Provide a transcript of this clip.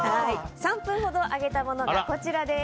３分ほど揚げたものがこちらです。